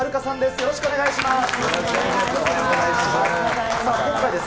よろしくお願いします。